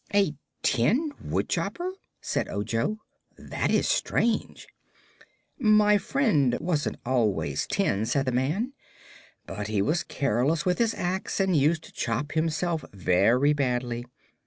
"A tin woodchopper?" said Ojo. "That is strange." "My friend wasn't always tin," said the man, "but he was careless with his axe, and used to chop himself very badly.